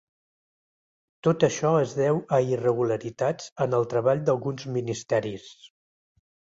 Tot això es deu a irregularitats en el treball d'alguns ministeris.